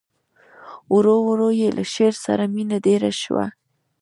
ورو ورو یې له شعر سره مینه ډېره شوه